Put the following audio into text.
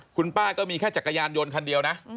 คุณป้าก็มีแค่จักรยานยนต์คันเดียวนะ